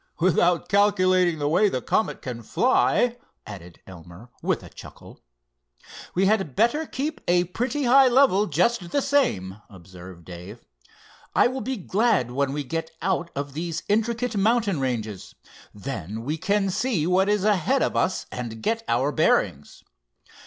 "Without calculating the way the Comet can fly," added Elmer, with a chuckle. "We had better keep at a pretty high level just the same," observed Dave. "I will be glad when we get out of these intricate mountain ranges. Then we can see what is ahead of us and get our bearings."